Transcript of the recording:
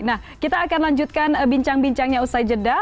nah kita akan lanjutkan bincang bincangnya usai jeda